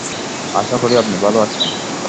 আশা করি আপনি ভালো আছেন।